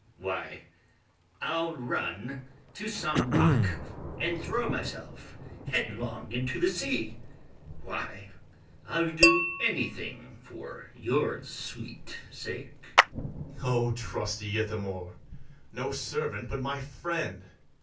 why, I'll run to some rock, And throw myself headlong into the sea; Why, I'll do any thing for your sweet sake. BARABAS. O trusty Ithamore! no servant, but my friend!